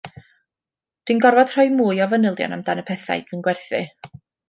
Dwi'n gorfod rhoi mwy o fanylion amdan y pethau dwi'n gwerthu